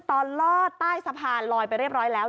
ลอดใต้สะพานลอยไปเรียบร้อยแล้ว